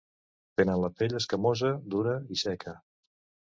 Tenen la pell escamosa, dura i seca.